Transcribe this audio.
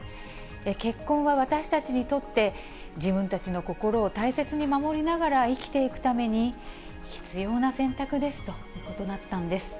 結婚は私たちにとって、自分たちの心を大切に守りながら生きていくために必要な選択ですということだったんです。